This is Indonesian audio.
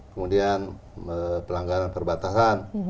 kemudian pelanggaran perbatasan